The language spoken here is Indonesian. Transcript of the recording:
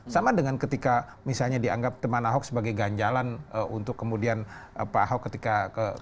sama dengan ketika misalnya dianggap teman ahok sebagai ganjalan untuk kemudian pak ahok ketika